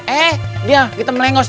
eh dia kita melengos